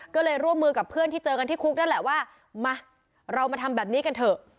ก็เลยร่วมมือกับเพื่อนที่เจอกันที่คุกนั่นแหละว่ามาเรามาทำแบบนี้กันเถอะ